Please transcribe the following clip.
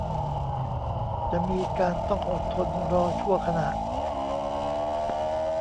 จะมีการต้องอดทนรอชั่วขณะ